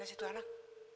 mana si tuanak